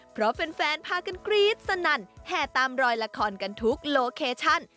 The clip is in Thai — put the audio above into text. เพราะแฟนพากันกรี๊ดสนั่นแห่ตามรอยละครกันทุกโลเคชั่น